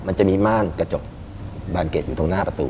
มันจะมีม่านกระจกบานเก็ตอยู่ตรงหน้าประตู